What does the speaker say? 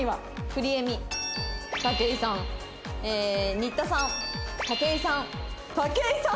新田さん武井さん。